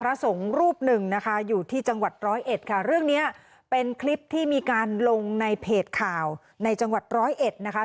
พระสงฆ์รูปหนึ่งนะคะอยู่ที่จังหวัดร้อยเอ็ดค่ะเรื่องนี้เป็นคลิปที่มีการลงในเพจข่าวในจังหวัดร้อยเอ็ดนะคะ